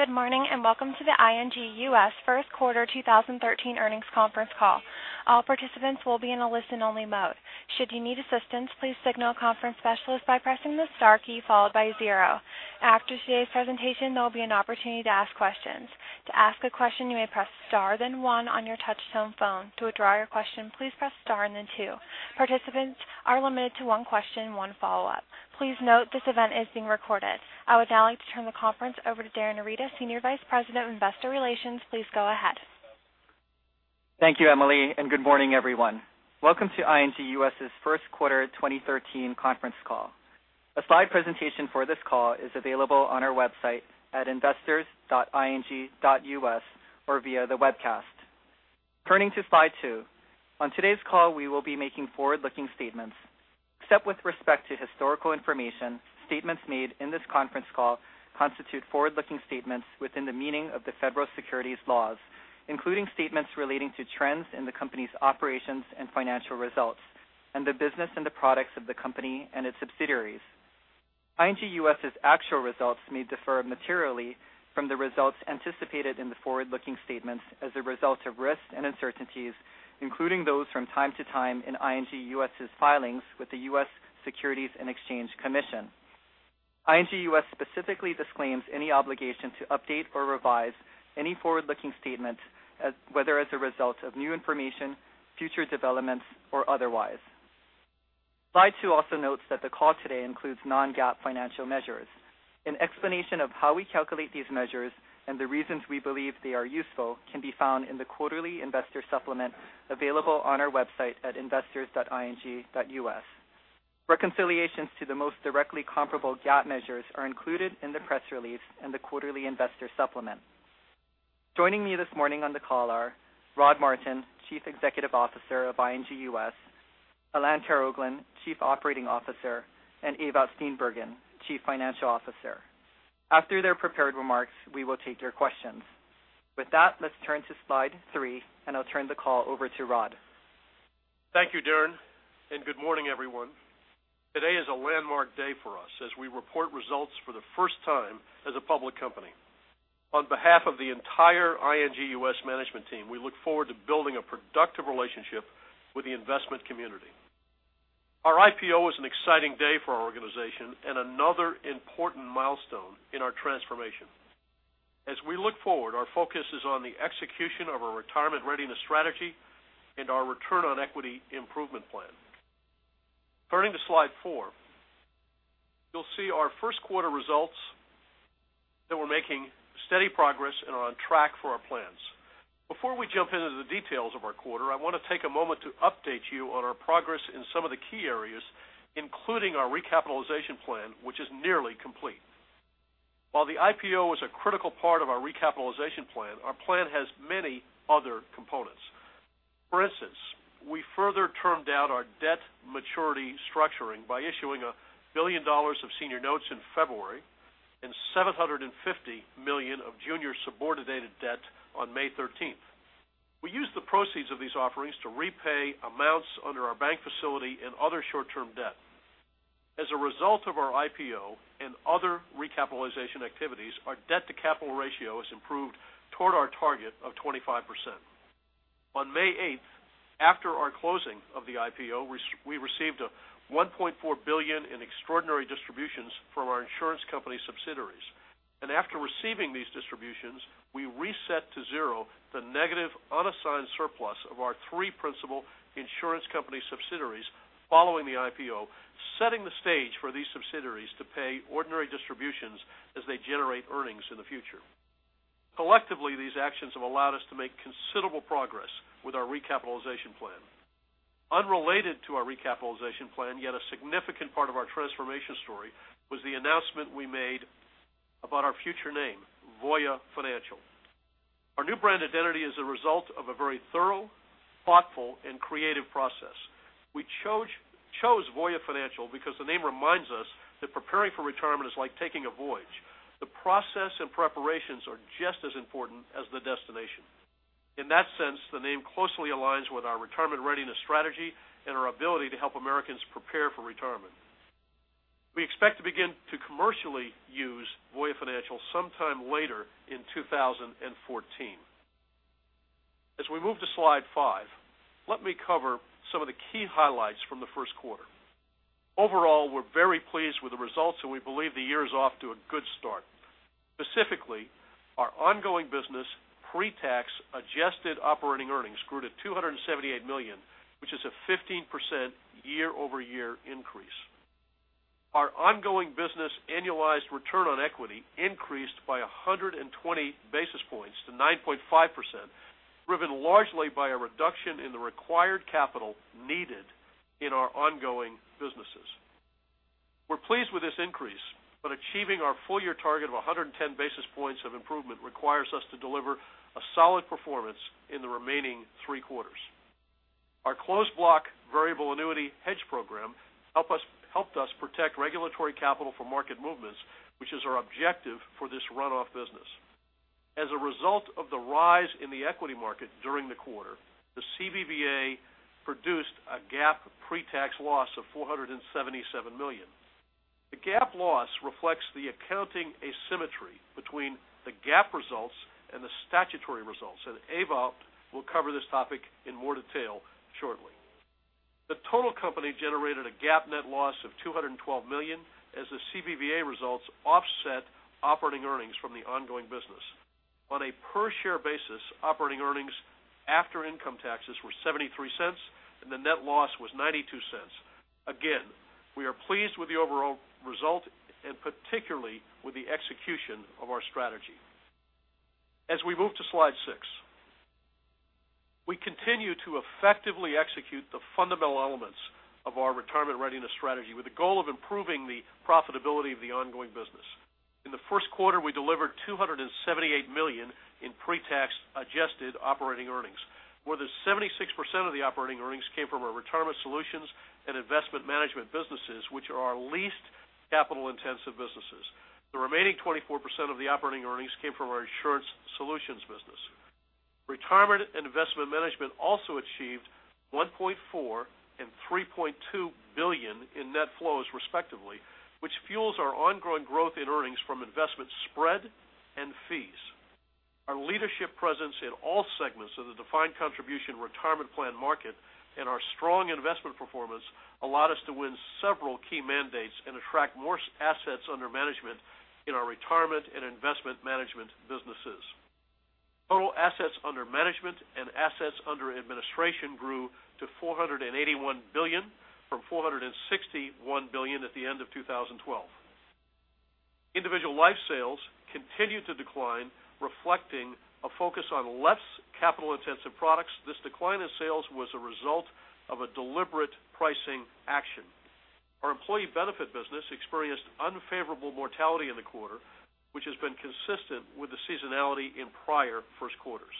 Good morning, and welcome to the ING U.S. first quarter 2013 earnings conference call. All participants will be in a listen-only mode. Should you need assistance, please signal a conference specialist by pressing the star key followed by zero. After today's presentation, there will be an opportunity to ask questions. To ask a question, you may press star then one on your touch-tone phone. To withdraw your question, please press star and then two. Participants are limited to one question and one follow-up. Please note this event is being recorded. I would now like to turn the conference over to Darin Arita, Senior Vice President of Investor Relations. Please go ahead. Thank you, Emily, and good morning, everyone. Welcome to ING U.S.'s first quarter 2013 conference call. A slide presentation for this call is available on our website at investors.ing.us or via the webcast. Turning to slide two. On today's call, we will be making forward-looking statements. Except with respect to historical information, statements made in this conference call constitute forward-looking statements within the meaning of the federal securities laws, including statements relating to trends in the company's operations and financial results, and the business and the products of the company and its subsidiaries. ING U.S.'s actual results may differ materially from the results anticipated in the forward-looking statements as a result of risks and uncertainties, including those from time to time in ING U.S.'s filings with the U.S. Securities and Exchange Commission. ING U.S. specifically disclaims any obligation to update or revise any forward-looking statement, whether as a result of new information, future developments, or otherwise. Slide two also notes that the call today includes non-GAAP financial measures. An explanation of how we calculate these measures and the reasons we believe they are useful can be found in the quarterly investor supplement available on our website at investors.ing.us. Reconciliations to the most directly comparable GAAP measures are included in the press release and the quarterly investor supplement. Joining me this morning on the call are Rod Martin, Chief Executive Officer of ING U.S., Alain Karaoglan, Chief Operating Officer, and Ewout Steenbergen, Chief Financial Officer. After their prepared remarks, we will take your questions. With that, let's turn to slide three, and I'll turn the call over to Rod. Thank you, Darin, and good morning, everyone. Today is a landmark day for us as we report results for the first time as a public company. On behalf of the entire ING U.S. management team, we look forward to building a productive relationship with the investment community. Our IPO is an exciting day for our organization and another important milestone in our transformation. As we look forward, our focus is on the execution of our retirement readiness strategy and our return on equity improvement plan. Turning to slide four. You'll see our first quarter results that we're making steady progress and are on track for our plans. Before we jump into the details of our quarter, I want to take a moment to update you on our progress in some of the key areas, including our recapitalization plan, which is nearly complete. While the IPO is a critical part of our recapitalization plan, our plan has many other components. For instance, we further termed out our debt maturity structuring by issuing $1 billion of senior notes in February and $750 million of junior subordinated debt on May 13th. We used the proceeds of these offerings to repay amounts under our bank facility and other short-term debt. As a result of our IPO and other recapitalization activities, our debt-to-capital ratio has improved toward our target of 25%. On May 8th, after our closing of the IPO, we received $1.4 billion in extraordinary distributions from our insurance company subsidiaries. After receiving these distributions, we reset to zero the negative unassigned surplus of our three principal insurance company subsidiaries following the IPO, setting the stage for these subsidiaries to pay ordinary distributions as they generate earnings in the future. Collectively, these actions have allowed us to make considerable progress with our recapitalization plan. Unrelated to our recapitalization plan, yet a significant part of our transformation story, was the announcement we made about our future name, Voya Financial. Our new brand identity is a result of a very thorough, thoughtful, and creative process. We chose Voya Financial because the name reminds us that preparing for retirement is like taking a voyage. The process and preparations are just as important as the destination. In that sense, the name closely aligns with our retirement readiness strategy and our ability to help Americans prepare for retirement. We expect to begin to commercially use Voya Financial sometime later in 2014. As we move to slide five, let me cover some of the key highlights from the first quarter. Overall, we're very pleased with the results, and we believe the year is off to a good start. Specifically, our ongoing business pre-tax adjusted operating earnings grew to $278 million, which is a 15% year-over-year increase. Our ongoing business annualized return on equity increased by 120 basis points to 9.5%, driven largely by a reduction in the required capital needed in our ongoing businesses. We're pleased with this increase, but achieving our full-year target of 110 basis points of improvement requires us to deliver a solid performance in the remaining three quarters. Our closed block variable annuity hedge program helped us protect regulatory capital for market movements, which is our objective for this run-off business. As a result of the rise in the equity market during the quarter, the CBVA produced a GAAP pretax loss of $477 million. The GAAP loss reflects the accounting asymmetry between the GAAP results and the statutory results, and Ewout will cover this topic in more detail shortly. The total company generated a GAAP net loss of $212 million as the CBVA results offset operating earnings from the ongoing business. On a per-share basis, operating earnings after income taxes were $0.73, and the net loss was $0.92. Again, we are pleased with the overall result and particularly with the execution of our strategy. As we move to slide six, we continue to effectively execute the fundamental elements of our retirement readiness strategy with the goal of improving the profitability of the ongoing business. In the first quarter, we delivered $278 million in pretax adjusted operating earnings. More than 76% of the operating earnings came from our retirement solutions and investment management businesses, which are our least capital-intensive businesses. The remaining 24% of the operating earnings came from our insurance solutions business. Retirement and investment management also achieved $1.4 billion and $3.2 billion in net flows respectively, which fuels our ongoing growth in earnings from investment spread and fees. Our leadership presence in all segments of the defined contribution retirement plan market and our strong investment performance allowed us to win several key mandates and attract more assets under management in our retirement and investment management businesses. Total assets under management and assets under administration grew to $481 billion from $461 billion at the end of 2012. Individual life sales continued to decline, reflecting a focus on less capital-intensive products. This decline in sales was a result of a deliberate pricing action. Our employee benefit business experienced unfavorable mortality in the quarter, which has been consistent with the seasonality in prior first quarters.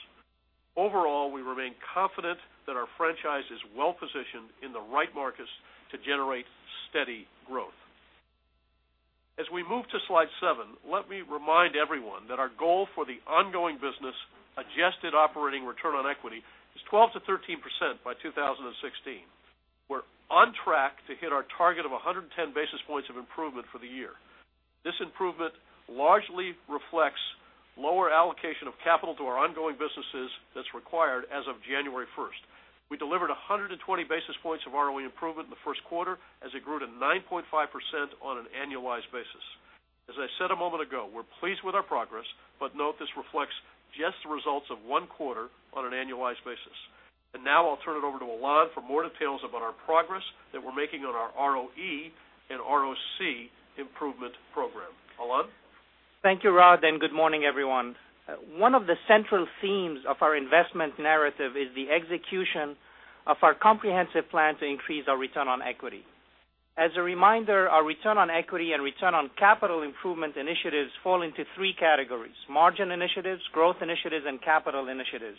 Overall, we remain confident that our franchise is well-positioned in the right markets to generate steady growth. As we move to slide seven, let me remind everyone that our goal for the ongoing business adjusted operating return on equity is 12%-13% by 2016. We're on track to hit our target of 110 basis points of improvement for the year. This improvement largely reflects lower allocation of capital to our ongoing businesses that's required as of January 1st. We delivered 120 basis points of ROE improvement in the first quarter as it grew to 9.5% on an annualized basis. As I said a moment ago, we're pleased with our progress, but note this reflects just the results of one quarter on an annualized basis. Now I'll turn it over to Alain for more details about our progress that we're making on our ROE and ROC improvement program. Alain? Thank you, Rod, and good morning, everyone. One of the central themes of our investment narrative is the execution of our comprehensive plan to increase our return on equity. As a reminder, our return on equity and return on capital improvement initiatives fall into three categories, margin initiatives, growth initiatives, and capital initiatives.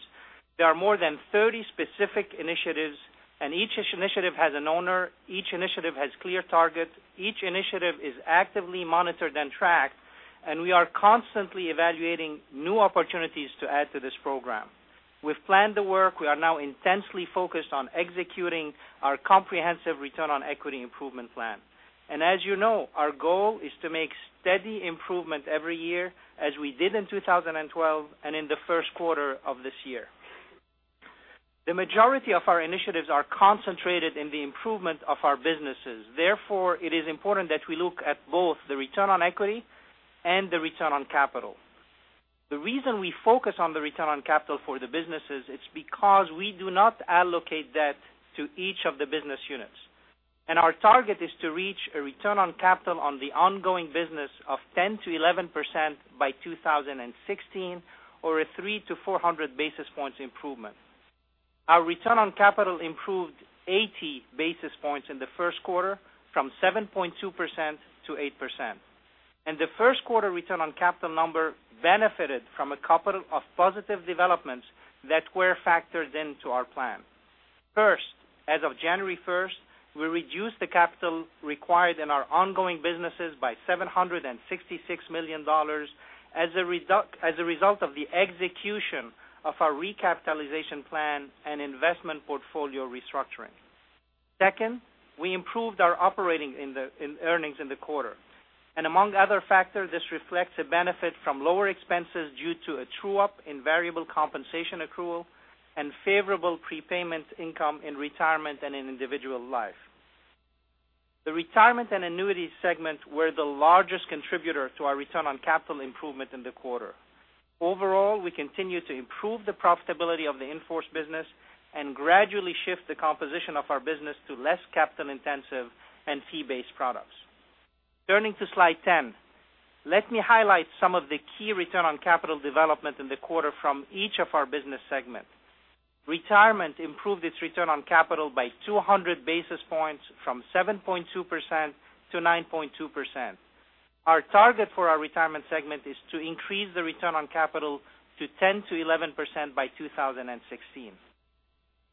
There are more than 30 specific initiatives, and each initiative has an owner, each initiative has clear targets, each initiative is actively monitored and tracked, and we are constantly evaluating new opportunities to add to this program. We've planned the work. We are now intensely focused on executing our comprehensive return on equity improvement plan. As you know, our goal is to make steady improvement every year, as we did in 2012 and in the first quarter of this year. The majority of our initiatives are concentrated in the improvement of our businesses. Therefore, it is important that we look at both the return on equity and the return on capital. The reason we focus on the return on capital for the businesses is because we do not allocate debt to each of the business units. Our target is to reach a return on capital on the ongoing business of 10%-11% by 2016 or a 300-400 basis points improvement. Our return on capital improved 80 basis points in the first quarter from 7.2%-8%. The first quarter return on capital number benefited from a couple of positive developments that were factored into our plan. First, as of January 1st, we reduced the capital required in our ongoing businesses by $766 million as a result of the execution of our recapitalization plan and investment portfolio restructuring. Second, we improved our operating earnings in the quarter. Among other factors, this reflects a benefit from lower expenses due to a true-up in variable compensation accrual and favorable prepayment income in retirement and in individual life. The retirement and annuities segments were the largest contributor to our return on capital improvement in the quarter. Overall, we continue to improve the profitability of the in-force business and gradually shift the composition of our business to less capital-intensive and fee-based products. Turning to slide 10, let me highlight some of the key return on capital development in the quarter from each of our business segments. Retirement improved its return on capital by 200 basis points from 7.2%-9.2%. Our target for our retirement segment is to increase the return on capital to 10%-11% by 2016.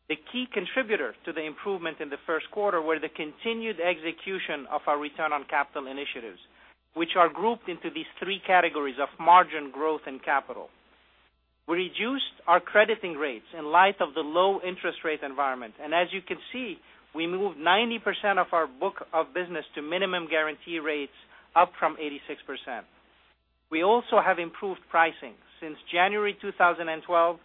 The key contributor to the improvement in the first quarter were the continued execution of our return on capital initiatives, which are grouped into these 3 categories of margin growth and capital. We reduced our crediting rates in light of the low interest rate environment, as you can see, we moved 90% of our book of business to minimum guarantee rates, up from 86%. We also have improved pricing. Since January 2012,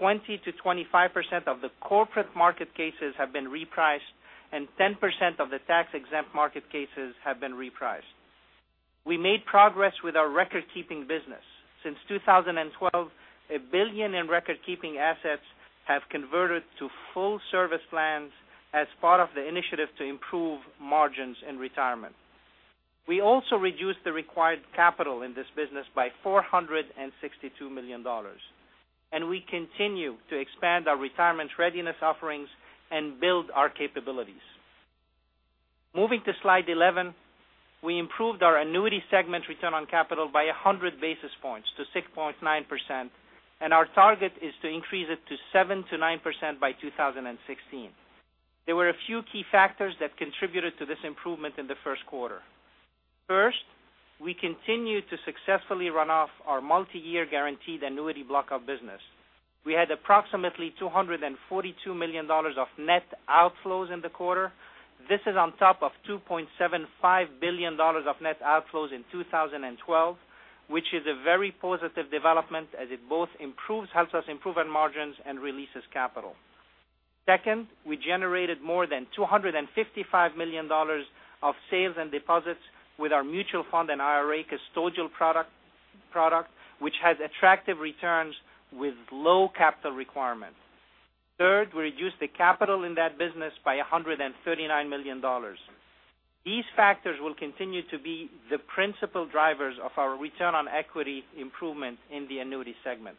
20%-25% of the corporate market cases have been repriced, 10% of the tax-exempt market cases have been repriced. We made progress with our record-keeping business. Since 2012, $1 billion in record-keeping assets have converted to full-service plans as part of the initiative to improve margins in retirement. We also reduced the required capital in this business by $462 million. We continue to expand our retirement readiness offerings and build our capabilities. Moving to slide 11, we improved our annuity segment return on capital by 100 basis points to 6.9%. Our target is to increase it to 7%-9% by 2016. There were a few key factors that contributed to this improvement in the first quarter. First, we continued to successfully run off our multi-year guaranteed annuity block of business. We had approximately $242 million of net outflows in the quarter. This is on top of $2.75 billion of net outflows in 2012, which is a very positive development as it both helps us improve on margins and releases capital. Second, we generated more than $255 million of sales and deposits with our mutual fund and IRA custodial product, which has attractive returns with low capital requirements. Third, we reduced the capital in that business by $139 million. These factors will continue to be the principal drivers of our return on equity improvement in the annuity segment.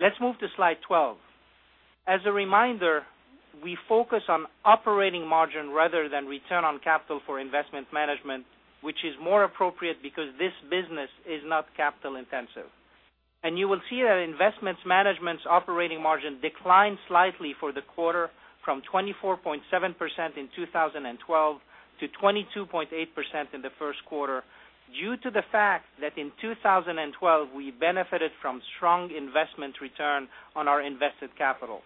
Let's move to slide 12. As a reminder, we focus on operating margin rather than return on capital for Investment Management, which is more appropriate because this business is not capital intensive. You will see that Investment Management's operating margin declined slightly for the quarter from 24.7% in 2012 to 22.8% in the first quarter due to the fact that in 2012, we benefited from strong investment return on our invested capital.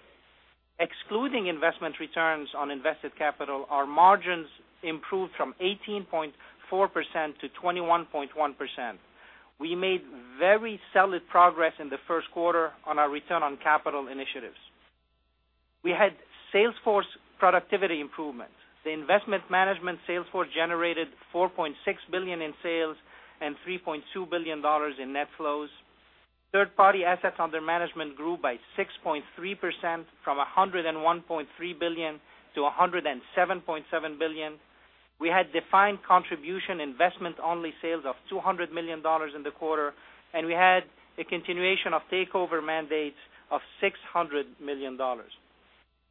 Excluding investment returns on invested capital, our margins improved from 18.4% to 21.1%. We made very solid progress in the first quarter on our return on capital initiatives. We had sales force productivity improvement. The Investment Management sales force generated $4.6 billion in sales and $3.2 billion in net flows. Third-party assets under management grew by 6.3%, from $101.3 billion to $107.7 billion. We had defined contribution investment-only sales of $200 million in the quarter, we had a continuation of takeover mandates of $600 million.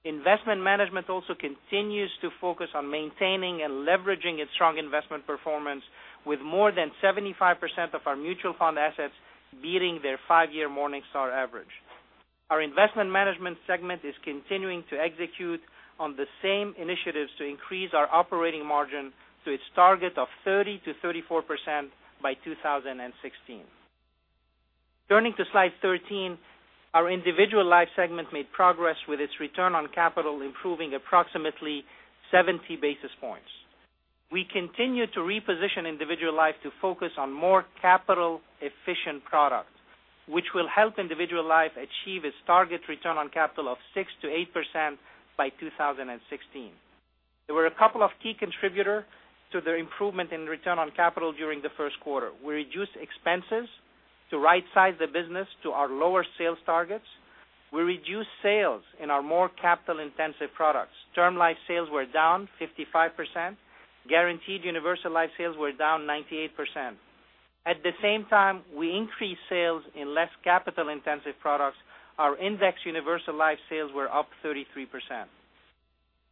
Investment Management also continues to focus on maintaining and leveraging its strong investment performance with more than 75% of our mutual fund assets beating their five-year Morningstar average. Our Investment Management segment is continuing to execute on the same initiatives to increase our operating margin to its target of 30%-34% by 2016. Turning to slide 13, our Individual Life segment made progress with its return on capital, improving approximately 70 basis points. We continue to reposition Individual Life to focus on more capital efficient products, which will help Individual Life achieve its target return on capital of 6%-8% by 2016. There were a couple of key contributor to the improvement in return on capital during the first quarter. We reduced expenses to right size the business to our lower sales targets. We reduced sales in our more capital-intensive products. Term life sales were down 55%, guaranteed universal life sales were down 98%. At the same time, we increased sales in less capital-intensive products. Our index universal life sales were up 33%.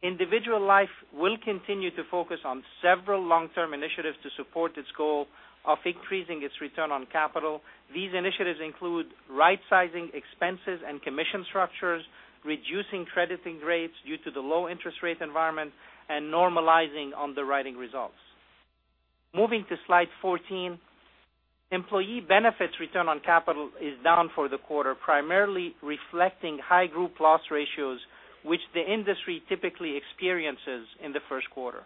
Individual Life will continue to focus on several long-term initiatives to support its goal of increasing its return on capital. These initiatives include right sizing expenses and commission structures, reducing crediting rates due to the low interest rate environment, and normalizing underwriting results. Moving to slide 14, Employee Benefits return on capital is down for the quarter, primarily reflecting high group loss ratios, which the industry typically experiences in the first quarter.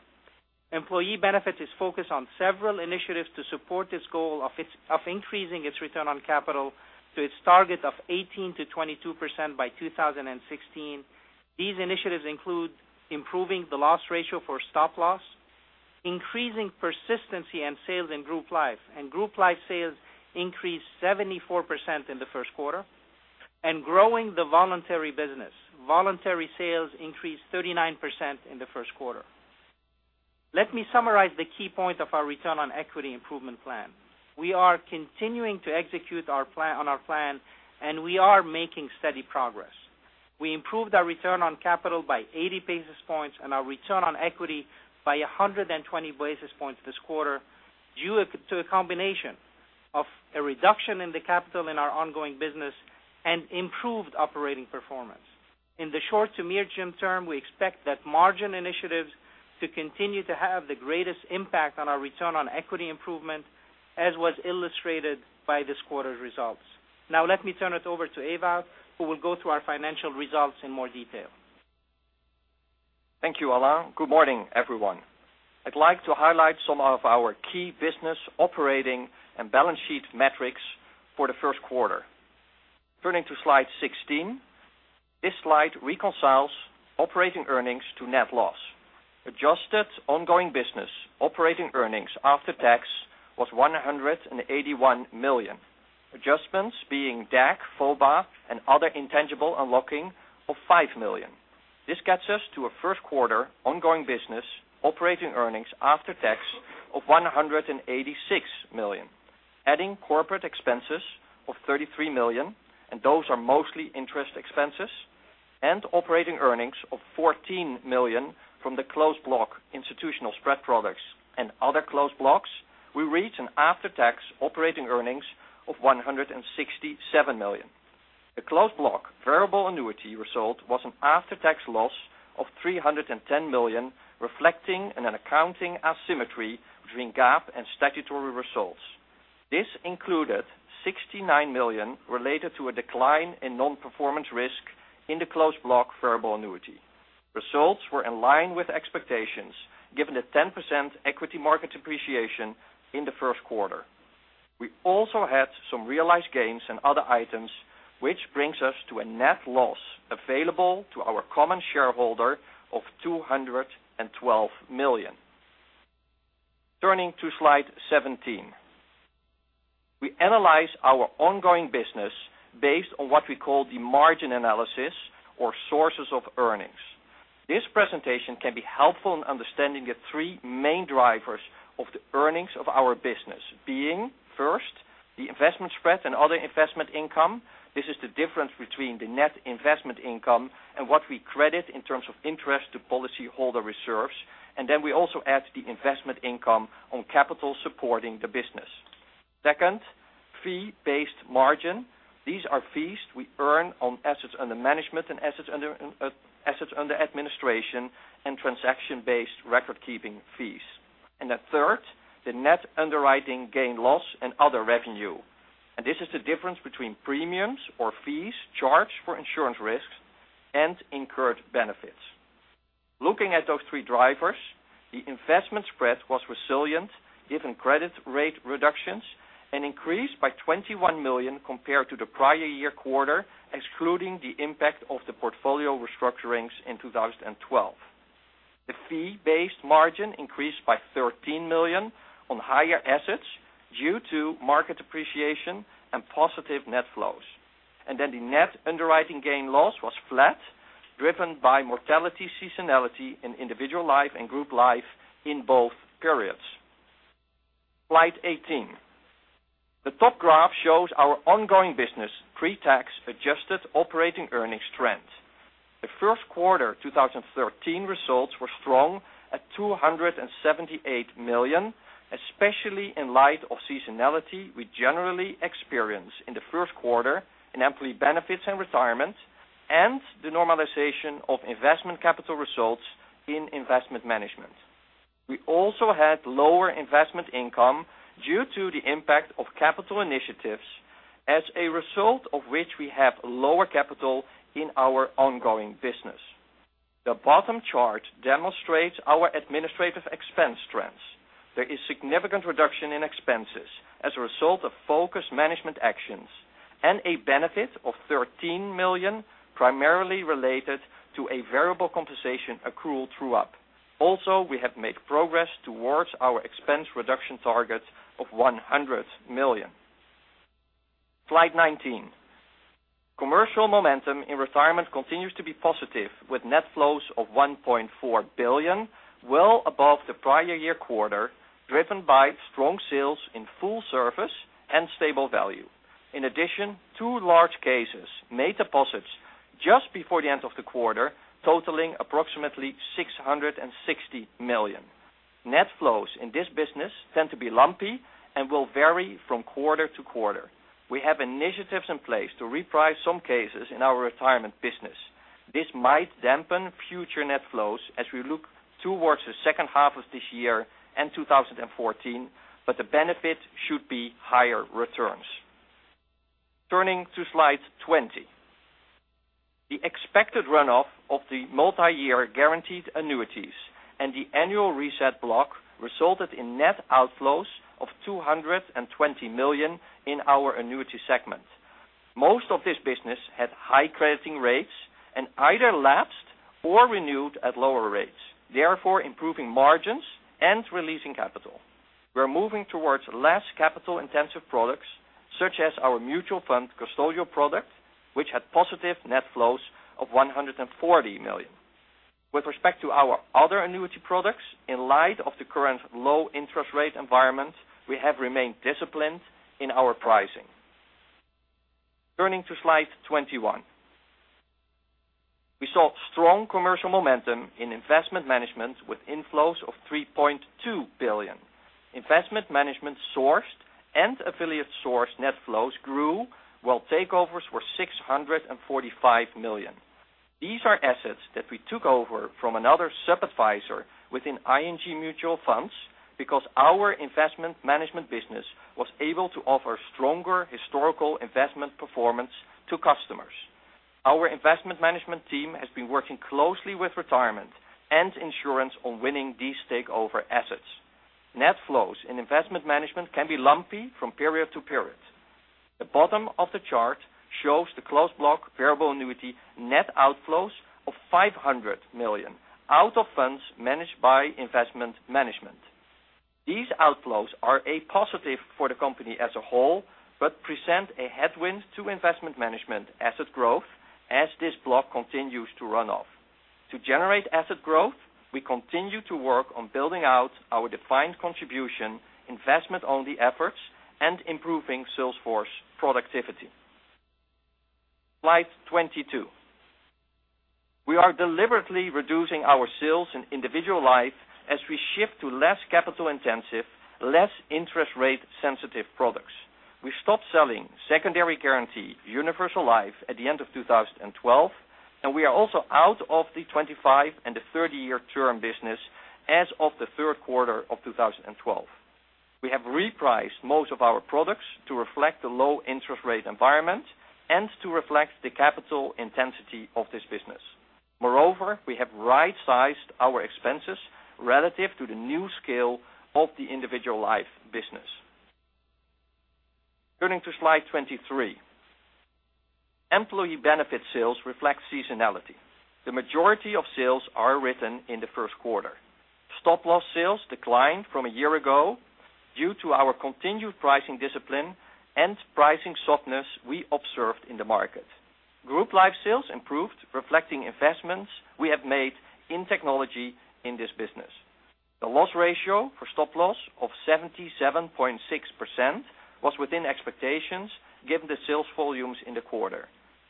Employee Benefits is focused on several initiatives to support this goal of increasing its return on capital to its target of 18%-22% by 2016. These initiatives include improving the loss ratio for stop loss, increasing persistency and sales in group life, group life sales increased 74% in the first quarter, growing the voluntary business. Voluntary sales increased 39% in the first quarter. Let me summarize the key points of our return on equity improvement plan. We are continuing to execute on our plan, we are making steady progress. We improved our return on capital by 80 basis points and our return on equity by 120 basis points this quarter due to a combination of a reduction in the capital in our ongoing business and improved operating performance. In the short to medium term, we expect that margin initiatives to continue to have the greatest impact on our return on equity improvement, as was illustrated by this quarter's results. Let me turn it over to Ewout, who will go through our financial results in more detail. Thank you, Alain. Good morning, everyone. I would like to highlight some of our key business operating and balance sheet metrics for the first quarter. Turning to slide 16. This slide reconciles operating earnings to net loss. Adjusted ongoing business operating earnings after tax was $181 million. Adjustments being DAC, VOBA, and other intangible unlocking of $5 million. This gets us to a first quarter ongoing business operating earnings after tax of $186 million. Adding corporate expenses of $33 million, those are mostly interest expenses, and operating earnings of $14 million from the closed block institutional spread products and other closed blocks, we reach an after-tax operating earnings of $167 million. The Closed Block Variable Annuity result was an after-tax loss of $310 million, reflecting an accounting asymmetry between GAAP and statutory results. This included $69 million related to a decline in non-performance risk in the Closed Block Variable Annuity. Results were in line with expectations, given the 10% equity market appreciation in the first quarter. We also had some realized gains and other items, which brings us to a net loss available to our common shareholder of $212 million. Turning to slide 17. We analyze our ongoing business based on what we call the margin analysis or sources of earnings. This presentation can be helpful in understanding the three main drivers of the earnings of our business, being, first, the investment spread and other investment income. This is the difference between the net investment income and what we credit in terms of interest to policyholder reserves. We also add the investment income on capital supporting the business. Second, fee-based margin. These are fees we earn on assets under management and assets under administration and transaction-based record-keeping fees. Third, the net underwriting gain loss and other revenue. This is the difference between premiums or fees charged for insurance risks and incurred benefits. Looking at those three drivers, the investment spread was resilient given credit rate reductions, and increased by $21 million compared to the prior year quarter, excluding the impact of the portfolio restructurings in 2012. The fee-based margin increased by $13 million on higher assets due to market appreciation and positive net flows. The net underwriting gain loss was flat, driven by mortality seasonality in individual life and group life in both periods. Slide 18. The top graph shows our ongoing business pre-tax adjusted operating earnings trend. The first quarter 2013 results were strong at $278 million, especially in light of seasonality we generally experience in the first quarter in employee benefits and retirement, and the normalization of investment capital results in Investment Management. We also had lower investment income due to the impact of capital initiatives, as a result of which we have lower capital in our ongoing business. The bottom chart demonstrates our administrative expense trends. There is significant reduction in expenses as a result of focused management actions and a benefit of $13 million primarily related to a variable compensation accrual true-up. We have made progress towards our expense reduction target of $100 million. Slide 19. Commercial momentum in retirement continues to be positive, with net flows of $1.4 billion, well above the prior year quarter, driven by strong sales in full service and stable value. Two large cases made deposits just before the end of the quarter, totaling approximately $660 million. Net flows in this business tend to be lumpy and will vary from quarter to quarter. We have initiatives in place to reprice some cases in our Retirement business. This might dampen future net flows as we look towards the second half of this year and 2014, but the benefit should be higher returns. Turning to slide 20. The expected runoff of the multi-year guaranteed annuities and the annual reset block resulted in net outflows of $220 million in our Annuity segment. Most of this business had high crediting rates and either lapsed or renewed at lower rates, therefore improving margins and releasing capital. We are moving towards less capital-intensive products, such as our mutual fund custodial product, which had positive net flows of $140 million. With respect to our other annuity products, in light of the current low interest rate environment, we have remained disciplined in our pricing. Turning to slide 21. We saw strong commercial momentum in Investment Management with inflows of $3.2 billion. Investment Management sourced and affiliate sourced net flows grew while takeovers were $645 million. These are assets that we took over from another sub-adviser within ING Mutual Funds because our Investment Management business was able to offer stronger historical investment performance to customers. Our Investment Management team has been working closely with Retirement and Insurance on winning these takeover assets. Net flows in Investment Management can be lumpy from period to period. The bottom of the chart shows the Closed Block Variable Annuity net outflows of $500 million out of funds managed by Investment Management. These outflows are a positive for the company as a whole, but present a headwind to Investment Management asset growth as this block continues to run off. To generate asset growth, we continue to work on building out our defined contribution investment only efforts and improving sales force productivity. Slide 22. We are deliberately reducing our sales in Individual Life as we shift to less capital intensive, less interest rate sensitive products. We stopped selling Secondary Guarantee Universal Life at the end of 2012, and we are also out of the 25- and the 30-year term business as of the third quarter of 2012. We have repriced most of our products to reflect the low interest rate environment and to reflect the capital intensity of this business. We have right-sized our expenses relative to the new scale of the Individual Life business. Turning to slide 23. Employee benefit sales reflect seasonality. The majority of sales are written in the first quarter. Stop-loss sales declined from a year ago due to our continued pricing discipline and pricing softness we observed in the market. Group life sales improved, reflecting investments we have made in technology in this business. The loss ratio for stop-loss of 77.6% was within expectations given the sales volumes in the quarter.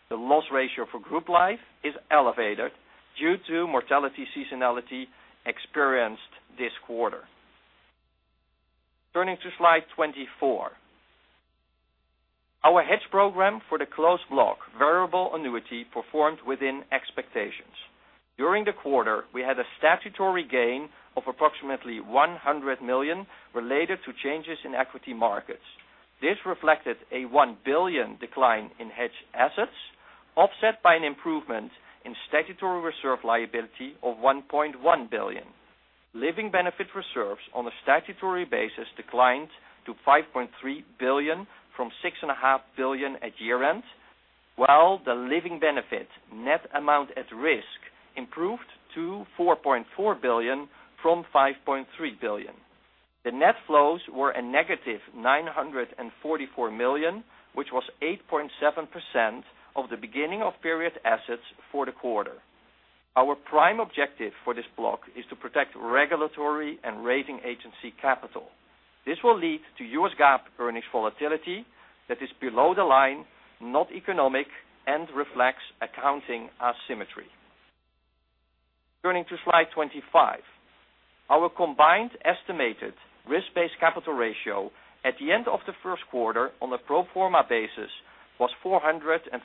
The loss ratio for group life is elevated due to mortality seasonality experienced this quarter. Turning to slide 24. Our hedge program for the Closed Block Variable Annuity performed within expectations. During the quarter, we had a statutory gain of approximately $100 million related to changes in equity markets. This reflected a $1 billion decline in hedged assets, offset by an improvement in statutory reserve liability of $1.1 billion. Living benefit reserves on a statutory basis declined to $5.3 billion from $6.5 billion at year-end, while the living benefit net amount at risk improved to $4.4 billion from $5.3 billion. The net flows were a negative $944 million, which was 8.7% of the beginning of period assets for the quarter. Our prime objective for this block is to protect regulatory and rating agency capital. This will lead to U.S. GAAP earnings volatility that is below the line, not economic, and reflects accounting asymmetry. Turning to slide 25. Our combined estimated risk-based capital ratio at the end of the first quarter on a pro forma basis was 451%,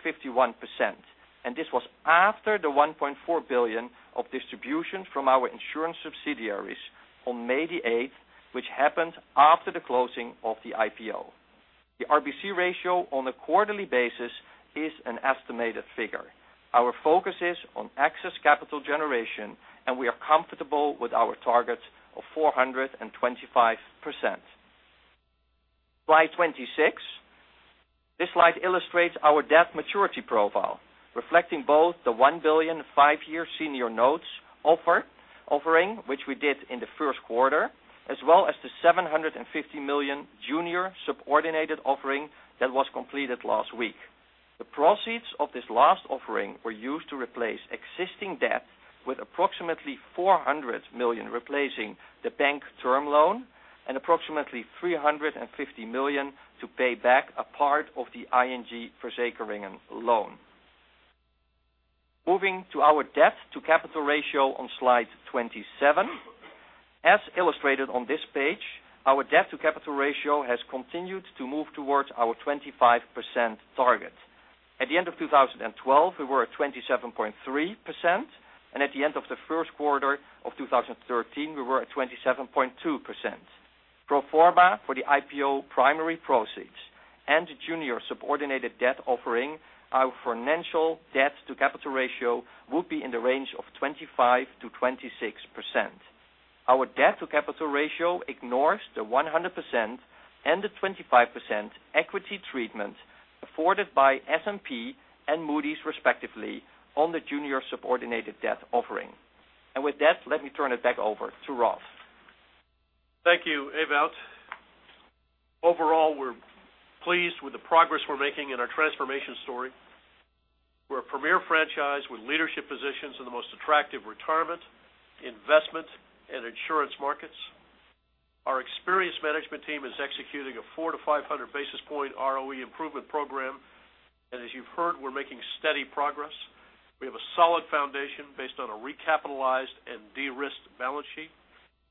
and this was after the $1.4 billion of distributions from our insurance subsidiaries on May 8th, which happened after the closing of the IPO. The RBC ratio on a quarterly basis is an estimated figure. Our focus is on excess capital generation. We are comfortable with our target of 425%. Slide 26. This slide illustrates our debt maturity profile, reflecting both the $1 billion, five-year senior notes offering, which we did in the first quarter, as well as the $750 million junior subordinated offering that was completed last week. The proceeds of this last offering were used to replace existing debt with approximately $400 million replacing the bank term loan and approximately $350 million to pay back a part of the ING Verzekeringen loan. Moving to our debt-to-capital ratio on slide 27. As illustrated on this page, our debt-to-capital ratio has continued to move towards our 25% target. At the end of 2012, we were at 27.3%, and at the end of the first quarter of 2013, we were at 27.2%. Pro forma for the IPO primary proceeds and junior subordinated debt offering, our financial debt-to-capital ratio will be in the range of 25%-26%. Our debt-to-capital ratio ignores the 100% and the 25% equity treatment afforded by S&P and Moody's respectively on the junior subordinated debt offering. With that, let me turn it back over to Rod Martin. Thank you, Ewout. Overall, we're pleased with the progress we're making in our transformation story. We're a premier franchise with leadership positions in the most attractive retirement, investment, and insurance markets. The experienced management team is executing a 400 to 500 basis point ROE improvement program. As you've heard, we're making steady progress. We have a solid foundation based on a recapitalized and de-risked balance sheet.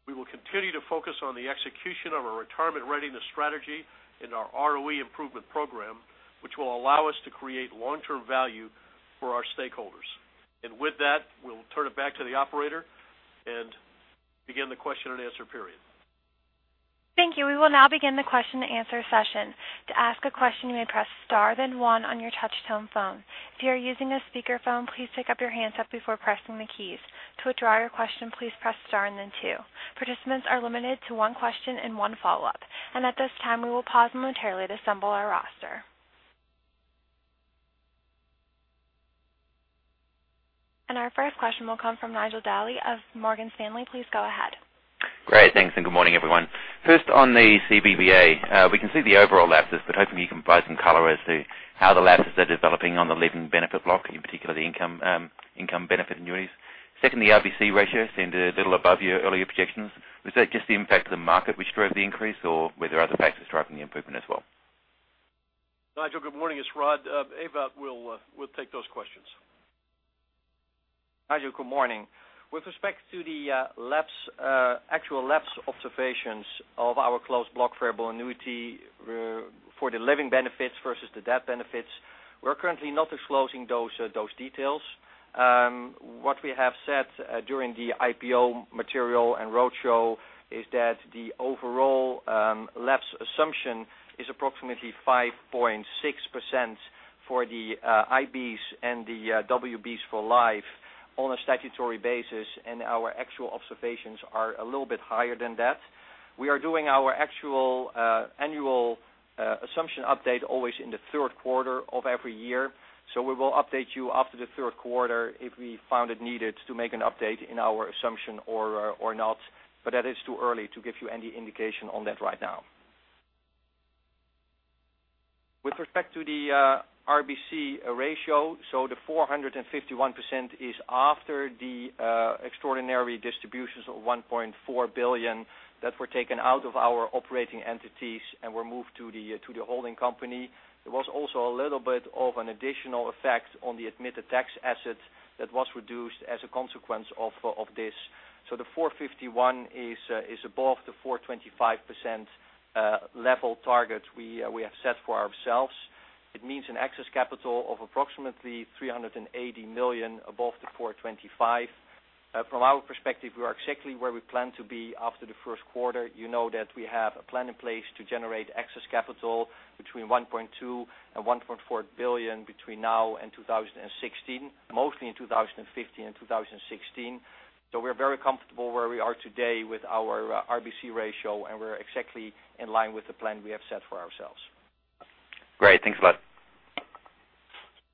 We will continue to focus on the execution of our retirement readiness strategy and our ROE improvement program, which will allow us to create long-term value for our stakeholders. With that, we'll turn it back to the operator and begin the question and answer period. Thank you. We will now begin the question and answer session. To ask a question, you may press star then one on your touch-tone phone. If you are using a speakerphone, please pick up your handset before pressing the keys. To withdraw your question, please press star and then two. Participants are limited to one question and one follow-up. At this time, we will pause momentarily to assemble our roster. Our first question will come from Nigel Dally of Morgan Stanley. Please go ahead. Great. Thanks, and good morning, everyone. First on the CBVA. We can see the overall lapses, but hoping you can provide some color as to how the lapses are developing on the living benefit block, in particular, the income benefit annuities. Second, the RBC ratio seemed a little above your earlier projections. Was that just the impact of the market which drove the increase, or were there other factors driving the improvement as well? Nigel, good morning. It's Rod. Ewout will take those questions. Nigel, good morning. With respect to the actual lapse observations of our closed block variable annuity for the living benefits versus the death benefits, we are currently not disclosing those details. What we have said during the IPO material and roadshow is that the overall lapse assumption is approximately 5.6% for the IBs and the WBs for life on a statutory basis, and our actual observations are a little bit higher than that. We are doing our actual annual assumption update always in the third quarter of every year. We will update you after the third quarter if we found it needed to make an update in our assumption or not, but that is too early to give you any indication on that right now. With respect to the RBC ratio, the 451% is after the extraordinary distributions of $1.4 billion that were taken out of our operating entities and were moved to the holding company. There was also a little bit of an additional effect on the admitted tax asset that was reduced as a consequence of this. The 451 is above the 425% level target we have set for ourselves. It means an excess capital of approximately $380 million above the 425%. From our perspective, we are exactly where we plan to be after the first quarter. You know that we have a plan in place to generate excess capital between $1.2 billion-$1.4 billion between now and 2016, mostly in 2015 and 2016. We are very comfortable where we are today with our RBC ratio, and we are exactly in line with the plan we have set for ourselves. Great. Thanks a lot.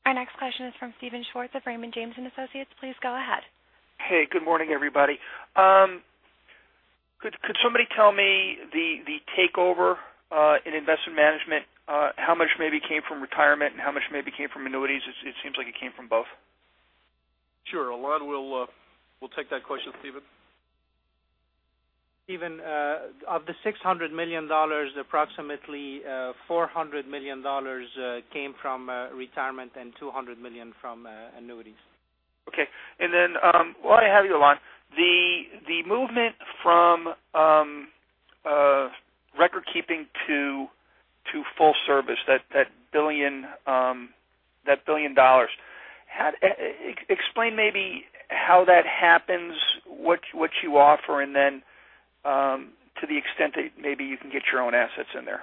Our next question is from Steven Schwartz of Raymond James & Associates. Please go ahead. Hey, good morning, everybody. Could somebody tell me the takeover in investment management, how much maybe came from retirement and how much maybe came from annuities? It seems like it came from both. Sure. Alain will take that question, Steven. Steven, of the $600 million, approximately $400 million came from retirement and $200 million from annuities. Okay. While I have you, Alain, the movement from record keeping to full service, that $1 billion. Explain maybe how that happens, what you offer, and then to the extent that maybe you can get your own assets in there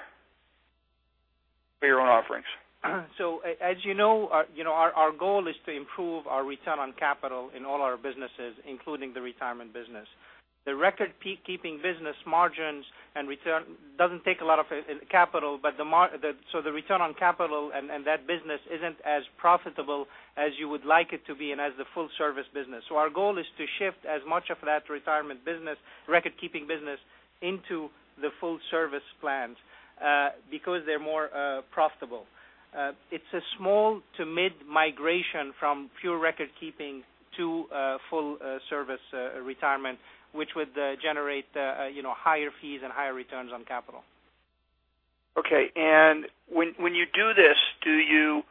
for your own offerings. As you know, our goal is to improve our return on capital in all our businesses, including the retirement business. The record-keeping business margins and return doesn't take a lot of capital, so the return on capital and that business isn't as profitable as you would like it to be and as the full-service business. Our goal is to shift as much of that retirement business, record-keeping business into the full-service plans because they're more profitable. It's a small-to-mid migration from pure record-keeping to full-service retirement, which would generate higher fees and higher returns on capital. Okay. When you do this, do you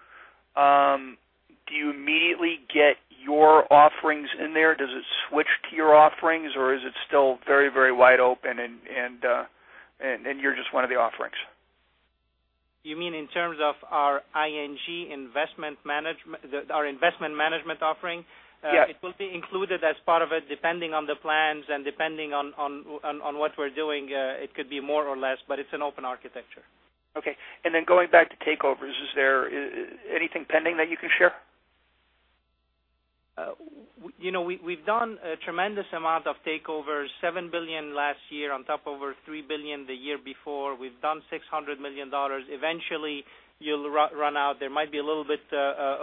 immediately get your offerings in there? Does it switch to your offerings, or is it still very wide-open and you're just one of the offerings? You mean in terms of our investment management offering? Yes. It will be included as part of it, depending on the plans and depending on what we're doing. It could be more or less, but it's an open architecture. Okay. Then going back to takeovers, is there anything pending that you can share? We've done a tremendous amount of takeovers, $7 billion last year on top over $3 billion the year before. We've done $600 million. Eventually, you'll run out. There might be a little bit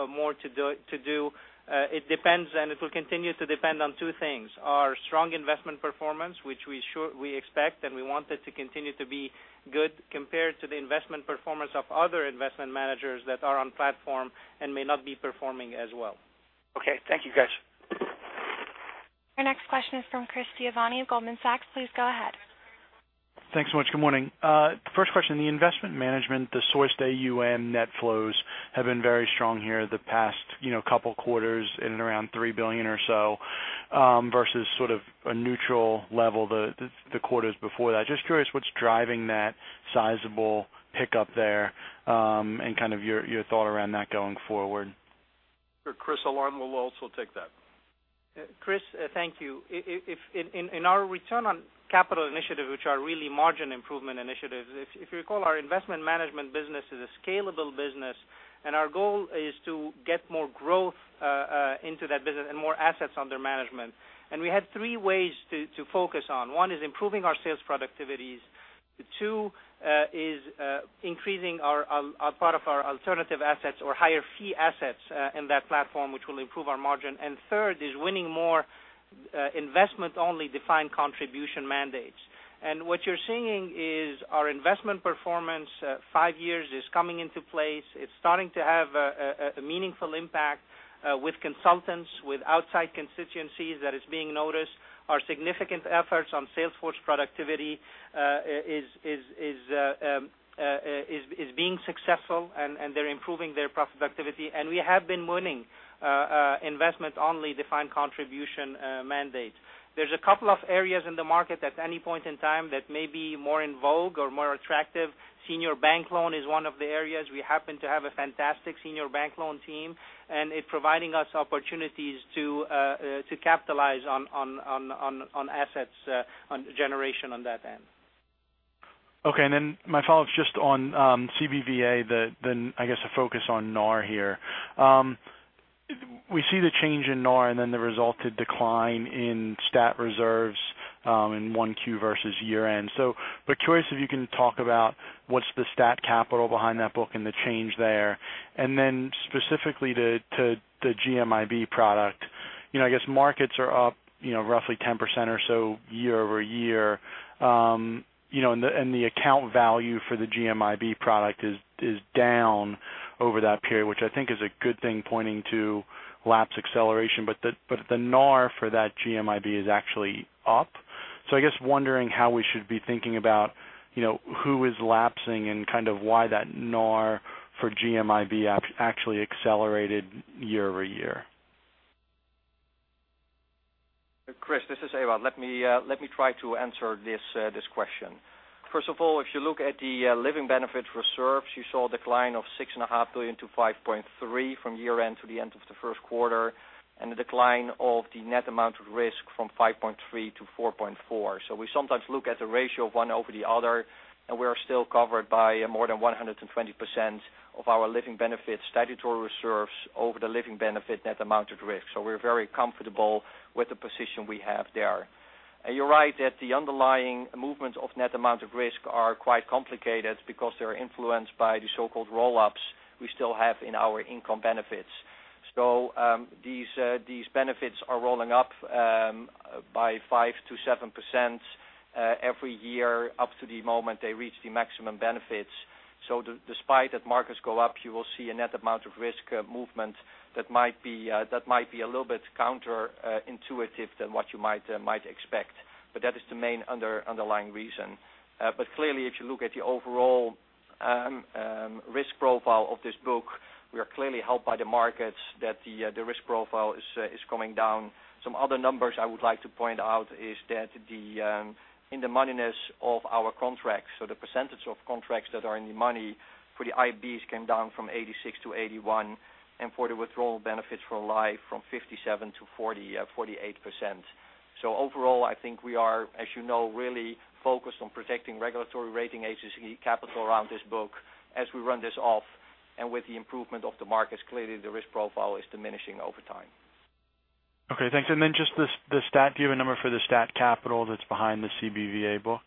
more to do. It depends, and it will continue to depend on two things, our strong investment performance, which we expect, and we want it to continue to be good compared to the investment performance of other investment managers that are on platform and may not be performing as well. Okay. Thank you, guys. Your next question is from Christopher Giovanni of Goldman Sachs. Please go ahead. Thanks so much. Good morning. First question, the investment management, the sourced AUM net flows have been very strong here the past couple quarters in and around $3 billion or so, versus sort of a neutral level the quarters before that. Just curious what's driving that sizable pickup there, and your thought around that going forward. Sure. Chris, Alain will also take that. Chris, thank you. In our Return on Capital initiative, which are really margin improvement initiatives, if you recall, our investment management business is a scalable business, and our goal is to get more growth into that business and more assets under management. We had three ways to focus on. One is improving our sales productivities. Two is increasing our part of our alternative assets or higher fee assets in that platform, which will improve our margin. Third is winning more investment-only defined contribution mandates. What you're seeing is our investment performance five years is coming into place. It's starting to have a meaningful impact with consultants, with outside constituencies that is being noticed. Our significant efforts on sales force productivity is being successful, and they're improving their productivity. We have been winning investment-only defined contribution mandates. There's a couple of areas in the market at any point in time that may be more in vogue or more attractive. Senior bank loan is one of the areas. We happen to have a fantastic senior bank loan team, and it's providing us opportunities to capitalize on assets generation on that end. Okay. My follow-up is just on CBVA, the, I guess, the focus on NAR here. We see the change in NAR and then the resulted decline in stat reserves in 1Q versus year-end. Be curious if you can talk about what's the stat capital behind that book and the change there. Specifically to the GMIB product. I guess markets are up roughly 10% or so year-over-year. The account value for the GMIB product is down over that period, which I think is a good thing pointing to lapse acceleration. The NAR for that GMIB is actually up. I guess wondering how we should be thinking about who is lapsing and kind of why that NAR for GMIB actually accelerated year-over-year. Chris, this is Ewout. Let me try to answer this question. First of all, if you look at the living benefit reserves, you saw a decline of $6.5 billion to $5.3 billion from year-end to the end of the first quarter, and the decline of the net amount of risk from $5.3 billion to $4.4 billion. We sometimes look at the ratio of one over the other, and we are still covered by more than 120% of our living benefits statutory reserves over the living benefit net amount of risk. We're very comfortable with the position we have there. You're right that the underlying movements of net amount of risk are quite complicated because they're influenced by the so-called roll-ups we still have in our income benefits. These benefits are rolling up by 5%-7% every year up to the moment they reach the maximum benefits. Despite that markets go up, you will see a net amount of risk movement that might be a little bit counterintuitive than what you might expect. That is the main underlying reason. Clearly, if you look at the overall risk profile of this book, we are clearly helped by the markets that the risk profile is coming down. Some other numbers I would like to point out is that the in-the-moneyness of our contracts. The percentage of contracts that are in the money for the IBs came down from 86% to 81%, and for the withdrawal benefits for life from 57%-48%. Overall, I think we are, as you know, really focused on protecting regulatory rating agency capital around this book as we run this off. With the improvement of the markets, clearly the risk profile is diminishing over time. Okay, thanks. Just the stat. Do you have a number for the stat capital that's behind the CBVA book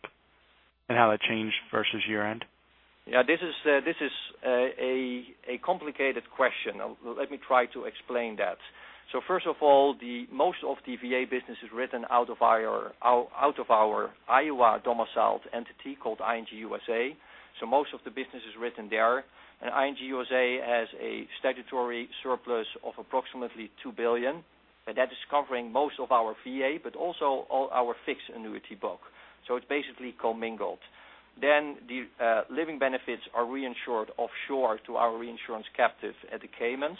and how that changed versus year-end? Yeah. This is a complicated question. Let me try to explain that. First of all, most of the VA business is written out of our Iowa-domiciled entity called ING USA. Most of the business is written there. That is covering most of our VA, but also all our fixed annuity book. It's basically commingled. The living benefits are reinsured offshore to our reinsurance captive at the Caymans.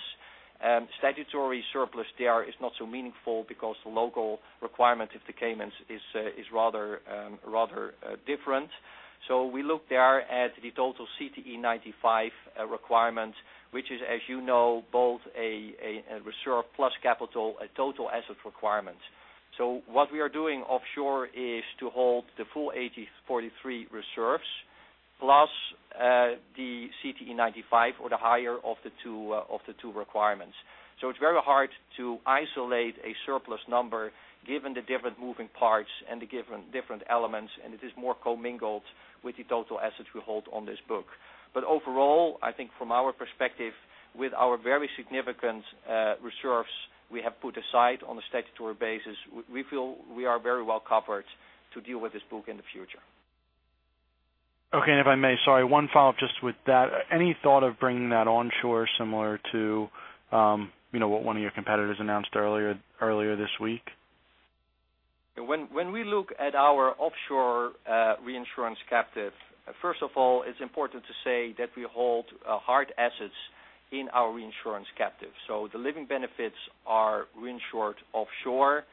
Statutory surplus there is not so meaningful because the local requirement of the Caymans is rather different. We look there at the total CTE 95 requirement, which is, as you know, both a reserve plus capital, a total asset requirement. What we are doing offshore is to hold the full AG43 reserves plus the CTE 95 or the higher of the two requirements. It's very hard to isolate a surplus number given the different moving parts and the different elements, and it is more commingled with the total assets we hold on this book. Overall, I think from our perspective, with our very significant reserves we have put aside on a statutory basis, we feel we are very well covered to deal with this book in the future. Okay. If I may, sorry, one follow-up just with that. Any thought of bringing that onshore similar to what one of your competitors announced earlier this week? When we look at our offshore reinsurance captive, first of all, it's important to say that we hold hard assets in our reinsurance captive. The living benefits are reinsured offshore,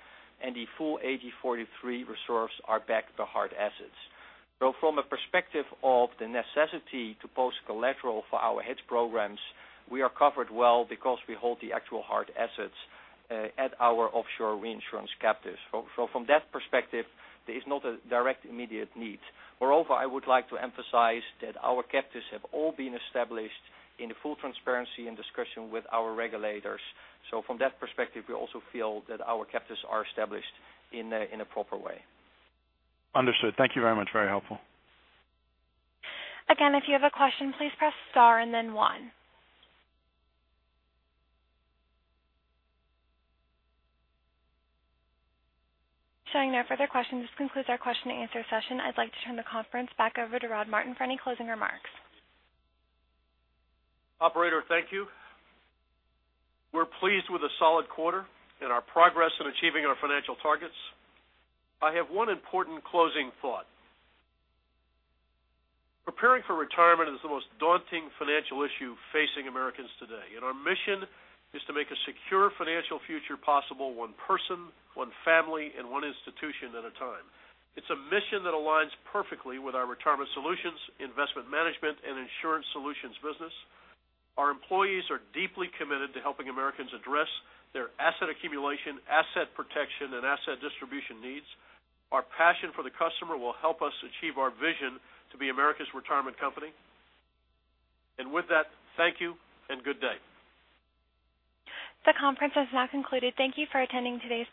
and the full AG43 reserves are backed by hard assets. From a perspective of the necessity to post collateral for our hedge programs, we are covered well because we hold the actual hard assets at our offshore reinsurance captives. From that perspective, there is not a direct immediate need. Moreover, I would like to emphasize that our captives have all been established in full transparency and discussion with our regulators. From that perspective, we also feel that our captives are established in a proper way. Understood. Thank you very much. Very helpful. If you have a question, please press star and then one. Showing no further questions, this concludes our question-and-answer session. I'd like to turn the conference back over to Rod Martin for any closing remarks. Operator, thank you. We're pleased with a solid quarter and our progress in achieving our financial targets. I have one important closing thought. Preparing for retirement is the most daunting financial issue facing Americans today. Our mission is to make a secure financial future possible, one person, one family, and one institution at a time. It's a mission that aligns perfectly with our retirement solutions, investment management, and insurance solutions business. Our employees are deeply committed to helping Americans address their asset accumulation, asset protection, and asset distribution needs. Our passion for the customer will help us achieve our vision to be America's retirement company. With that, thank you and good day. The conference has now concluded. Thank you for attending today's presentation.